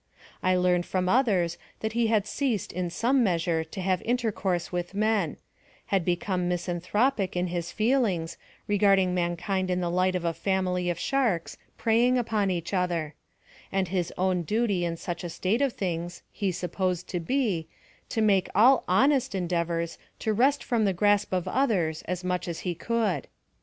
I learned from others that he had ceased in some measure to have inter course with men — had become misanthropic in his feelings, regarding mankind in the light of a family of sharks, preying upon each other; and his own duty in such a state of things, he supposed to be, to make all honest endeavors to wrest from the grasp of others as much as he could.